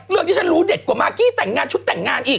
ที่ฉันรู้เด็ดกว่ามากกี้แต่งงานชุดแต่งงานอีก